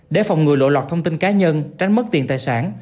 để phòng ngừa lộ lọt thông tin cá nhân tránh mất tiền tài sản